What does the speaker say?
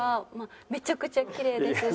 めちゃくちゃキレイですし。